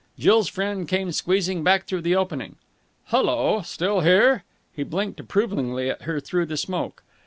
Jill's friend came squeezing back through the opening. "Hullo! Still here?" He blinked approvingly at her through the smoke.